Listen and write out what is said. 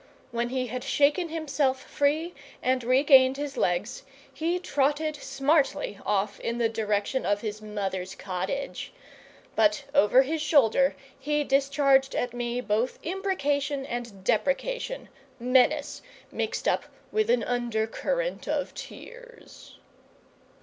When he had shaken himself free and regained his legs, he trotted smartly off in the direction of his mother's cottage; but over his shoulder he discharged at me both imprecation and deprecation, menace mixed up with an under current of tears.